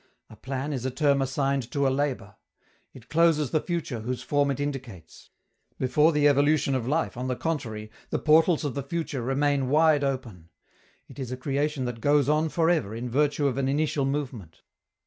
A plan is a term assigned to a labor: it closes the future whose form it indicates. Before the evolution of life, on the contrary, the portals of the future remain wide open. It is a creation that goes on for ever in virtue of an initial movement.